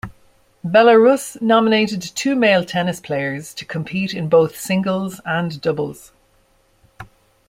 Belarus nominated two male tennis players to compete in both singles and doubles.